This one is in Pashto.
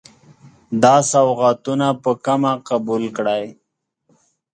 دا سوغاتونه په کمه قبول کړئ.